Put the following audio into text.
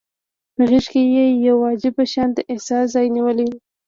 په غږ کې يې يو عجيب شانته احساس ځای نيولی و.